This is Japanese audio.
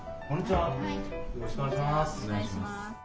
よろしくお願いします。